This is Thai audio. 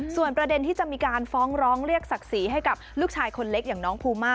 ส่วนประเด็นที่จะมีการฟ้องร้องเรียกศักดิ์ศรีให้กับลูกชายคนเล็กอย่างน้องภูมา